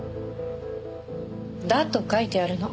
だと書いてあるの。